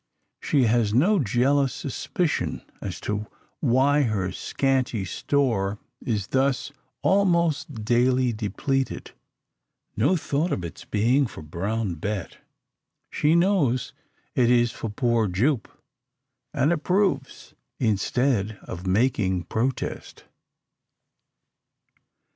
She has no jealous suspicion as to why her scanty store is thus almost daily depleted no thought of its being for Brown Bet. She knows it is for "poor Jupe," and approves, instead of making protest.